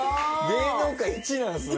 芸能界一なんですね。